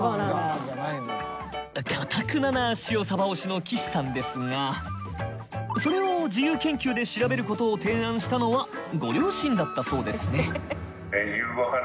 かたくなな塩サバ推しの岸さんですがそれを自由研究で調べることを提案したのはご両親だったそうですね？